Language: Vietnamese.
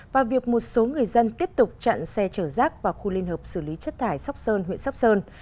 và việc một số người dân tiếp tục chặn xe chở rác vào khu liên hợp xử lý chất thải sóc sơn huyện sóc sơn